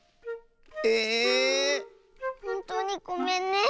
ええっ⁉ほんとうにごめんね。